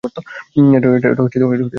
এটা আরও খারাপ হতে পারত।